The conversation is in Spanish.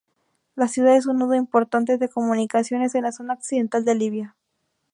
La ciudad es un nudo importante de comunicaciones de la zona occidental de Libia.